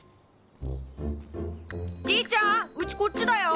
じいちゃんうちこっちだよ。